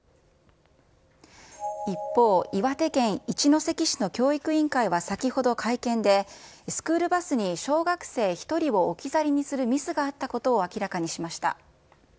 一方、岩手県一関市の教育委員会は先ほど会見で、スクールバスに小学生１人を置き去りにするミスがあったことを明らかにしました。